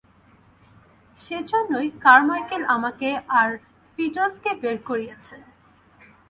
সেজন্যই কারমাইকেল আমাকে আর ফিটজকে বের করিয়েছে।